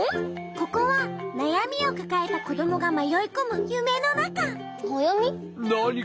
ここはなやみをかかえたこどもがまよいこむゆめのなか。